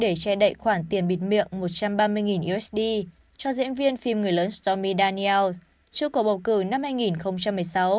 để che đậy khoản tiền bịt miệng một trăm ba mươi usd cho diễn viên phim người lớn stomidaniels trước cuộc bầu cử năm hai nghìn một mươi sáu